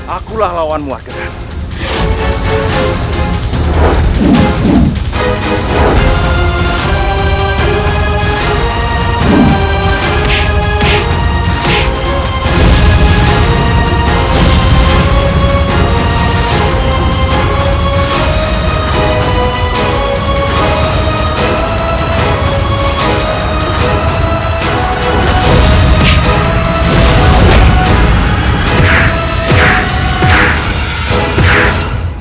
akulah lawanmu argenan